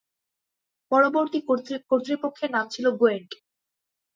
পরবর্তী কর্তৃপক্ষের নাম ছিল গোয়েন্ট।